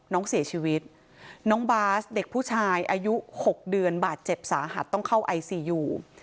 น้องเสียชีวิตน้องบาสเด็กผู้ชายอายุ๖เดือนบาดเจ็บสาหัสต้องเข้าไอซียู